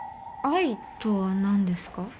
愛とは何ですか？